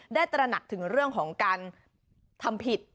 ตระหนักถึงเรื่องของการทำผิด